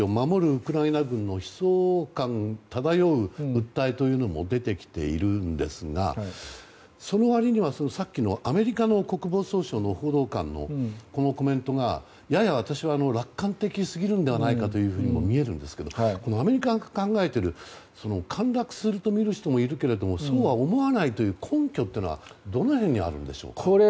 ウクライナ軍の悲壮感漂う訴えというのも出てきているんですがその割には、さっきのアメリカの国防総省の報道官のコメントが私はやや楽観的すぎるのではないかと見えるんですがアメリカが考えている陥落するとみる人もいるけどもそうは思わないという根拠はどの辺りにあるんでしょうか？